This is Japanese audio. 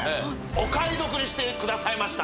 お買い得にしてくださいました